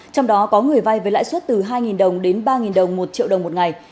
trong đó có người vay với lãi suất từ hai đồng đến ba đồng một triệu đồng một ngày